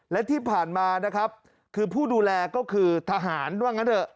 และที่ผ่านมานะครับคือผู้ดูแลก็คือทหารว่างั้นเถอะ